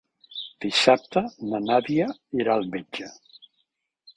Dissabte na Nàdia irà al metge.